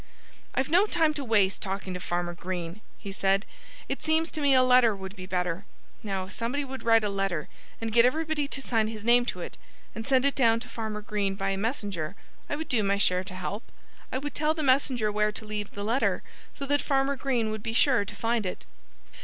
"I've no time to waste talking to Farmer Green," he said. "It seems to me a letter would be better. Now, if somebody would write a letter, and get everybody to sign his name to it, and send it down to Farmer Green by a messenger, I would do my share to help. I would tell the messenger where to leave the letter so that Farmer Green would be sure to find it."